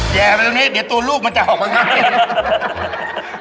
แย่ไปตรงนี้เดี๋ยวตัวลูกมันจะออกมาง่าย